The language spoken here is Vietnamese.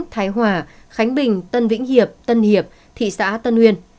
thái hòa khánh bình tân vĩnh hiệp tân hiệp thị xã tân uyên